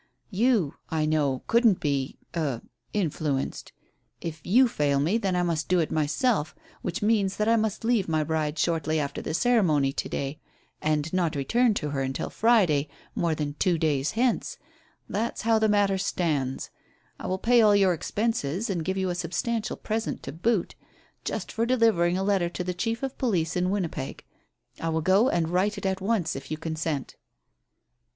You, I know, couldn't be er influenced. If you fail me, then I must do it myself, which means that I must leave my bride shortly after the ceremony to day, and not return to her until Friday, more than two days hence. That's how the matter stands. I will pay all your expenses and give you a substantial present to boot. Just for delivering a letter to the chief of police in Winnipeg. I will go and write it at once if you consent."